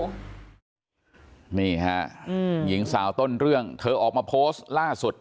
นี่ฮะหญิงสาวต้นเรื่องเธอออกมาโพสต์ล่าสุด